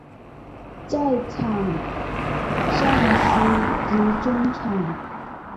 在场上司职中场。